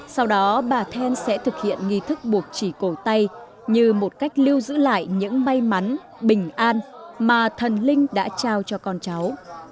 sau đó bà then sẽ thực hiện nghi thức buộc chỉ cổ tay như một cách lưu giữ lại những may mắn bình an mà thần linh đã trao cho con cháu